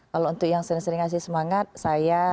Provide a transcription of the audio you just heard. kalau untuk yang sering sering ngasih semangat saya